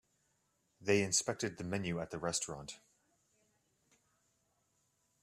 They inspected the menu at the restaurant.